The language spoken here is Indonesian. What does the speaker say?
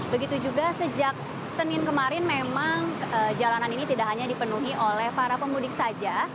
begitu juga sejak senin kemarin memang jalanan ini tidak hanya dipenuhi oleh para pemudik saja